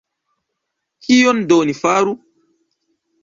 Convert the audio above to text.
Kion do ni faru?